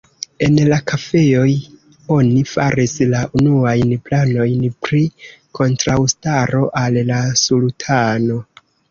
En la kafejoj, oni faris la unuajn planojn pri kontraŭstaro al la sultano.